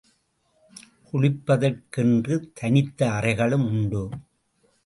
குளிப்பதற்கென்று தனித்த அறைகளும் உண்டு.